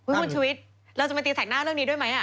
คุณชุวิตเราจะมาตีแสกหน้าเรื่องนี้ด้วยไหม